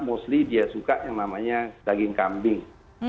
mostly dia suka yang namanya daging kambing